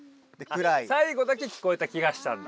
最後だけ聞こえた気がしたんだ。